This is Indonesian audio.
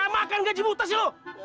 makan gaji buta sih lo